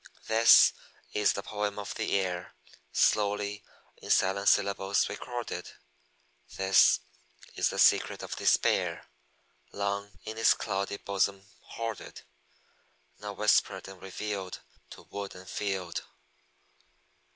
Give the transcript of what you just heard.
This is the poem of the air, Slowly in silent syllables recorded; This is the secret of despair, Long in its cloudy bosom hoarded, Now whispered and revealed To wood and field.